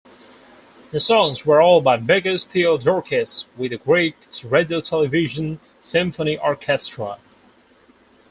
The songs were all by Mikis Theodorakis with the Greek Radio Television Symphony Orchestra.